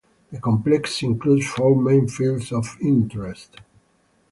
The complex includes four main fields of interest